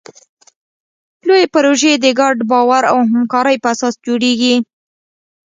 لویې پروژې د ګډ باور او همکارۍ په اساس جوړېږي.